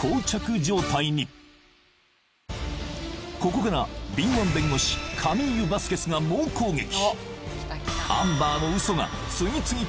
ここから敏腕弁護士カミーユ・ヴァスケスが猛攻撃！